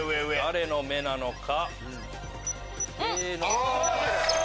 誰の目なのか？